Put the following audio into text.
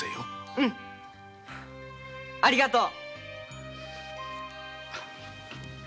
うんありがとう。